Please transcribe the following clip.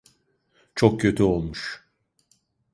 Çok kötü olmuş.